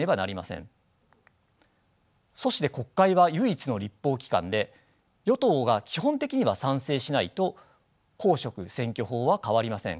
そして国会は唯一の立法機関で与党が基本的には賛成しないと公職選挙法は変わりません。